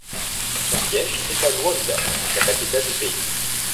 Son siège est à Luanda, la capitale du pays.